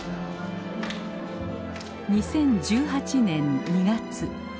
２０１８年２月。